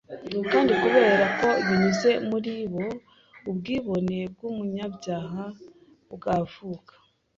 Kandi kubera ko binyuze muri bo ubwibone bw'umunyabyaha bwavuka